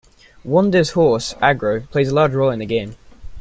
Wander's horse, Agro, plays a large role in the game.